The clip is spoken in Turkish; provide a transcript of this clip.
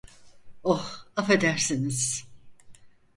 Oh, affedersiniz.